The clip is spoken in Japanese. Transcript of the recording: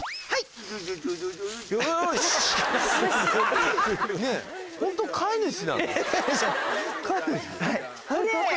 はい。